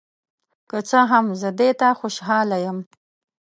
که څه هم، زه دې ته خوشحال یم.